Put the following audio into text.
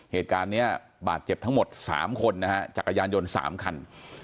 เหตุการณ์นี้บาดเจ็บทั้งหมด๓คนนะฮะจักรยานยนต์๓คัน